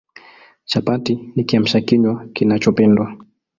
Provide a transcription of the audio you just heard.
Chapati ni Kiamsha kinywa kinachopendwa